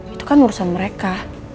itu kan urusan mereka